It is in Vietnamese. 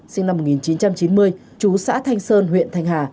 sinh năm một nghìn chín trăm chín mươi chú xã thanh sơn huyện thanh hà